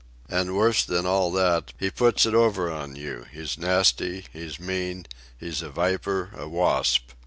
And worse than all that, he puts it over on you; he's nasty, he's mean, he's a viper, a wasp.